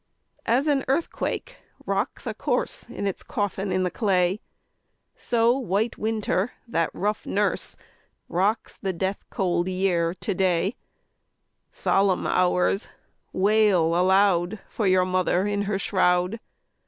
2. As an earthquake rocks a corse In its coffin in the clay, So White Winter, that rough nurse, Rocks the death cold Year to day; _10 Solemn Hours! wail aloud For your mother in her shroud.